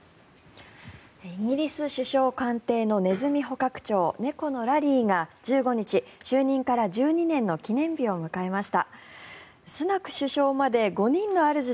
イギリス首相官邸のネズミ捕獲長、猫のラリーが１５日、就任から１２年の記念日を迎えました。